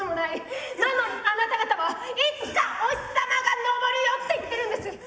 なのにあなた方は「いつかお日さまが昇るよ」って言ってるんです！